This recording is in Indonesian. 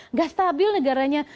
nggak stabil negaranya